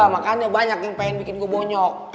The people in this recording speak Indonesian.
makanya banyak yang pengen bikin gue bonyok